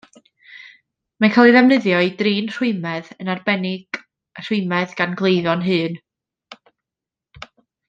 Mae'n cael ei ddefnyddio i drin rhwymedd, yn arbennig rhwymedd gan gleifion hŷn.